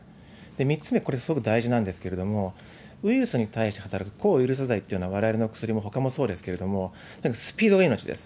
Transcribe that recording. ３つ目、これ、すごく大事なんですけれども、ウイルスに対して働く抗ウイルス剤っていうのは、われわれの薬も、ほかもそうですけれども、スピードが命です。